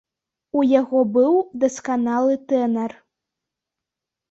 У яго быў дасканалы тэнар.